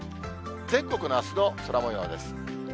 全国のあすの空もようです。